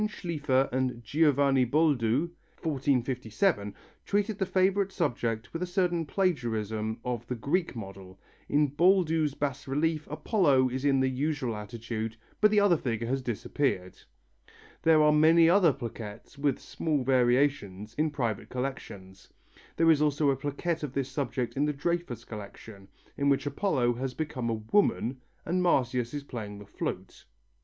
Schlifer and Giovanni Boldu (1457) treated the favourite subject with a certain plagiarism of the Greek model. In Boldu's bas relief Apollo is in the usual attitude, but the other figure has disappeared. There are many other plaquettes, with small variations, in private collections. There is also a plaquette of this subject in the Dreyfus collection, in which Apollo has become a woman and Marsyas is playing the flute.